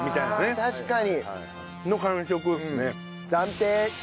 確かに！の感触っすね。